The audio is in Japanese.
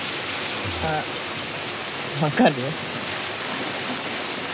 あっ分かる？